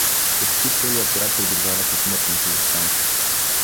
Почти целият град придружаваше смъртните й останки.